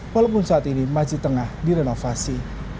walaupun saat ini masjid tengah direnovasi